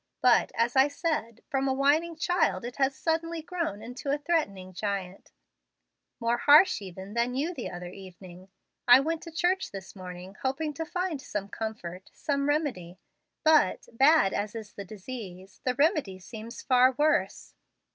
But, as I said, from a whining child it has suddenly grown into a threatening giant, more harsh even than you the other evening. I went to church this morning, hoping to find some comfort, some remedy; but, bad as is the disease, the remedy seems far worse.